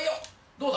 どうだ？